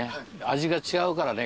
味が違うからね